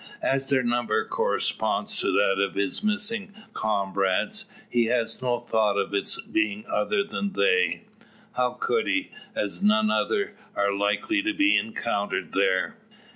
As their number corresponds to that of his missing comrades, he has no thought of its being other than they. How could he, as none other are likely to be encountered there?